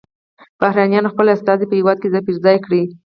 بهرنیانو خپل استازي په هیواد کې ځای پر ځای کړي